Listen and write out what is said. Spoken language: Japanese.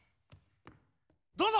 どうぞ！